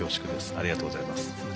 ありがとうございます。